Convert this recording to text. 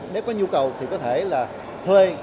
nếu có nhu cầu thì có thể là thuê